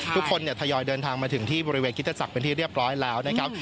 ทุกคนทยอยเดินทางมาถึงที่บริเวณคิตศักดิ์เป็นที่เรียบร้อยแล้วนะครับ